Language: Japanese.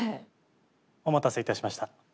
お待たせいたしました。